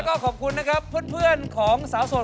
วันเสาร์๕โมงเย็นนะครับวันเสาร์๕โมงเย็นนะครับ